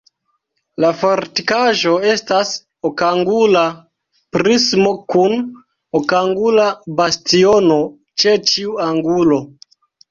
La fortikaĵo estas okangula prismo kun okangula bastiono ĉe ĉiu angulo.